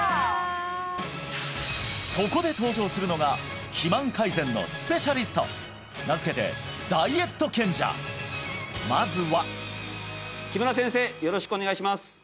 そこで登場するのが肥満改善のスペシャリスト名付けてまずは木村先生よろしくお願いします